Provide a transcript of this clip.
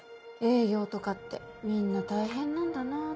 「営業とかってみんな大変なんだなぁ」